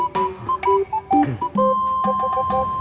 di titik kmnya cirawas